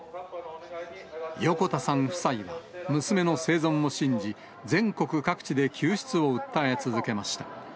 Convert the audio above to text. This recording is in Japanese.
横田さん夫妻は、娘の生存を信じ、全国各地で救出を訴え続けました。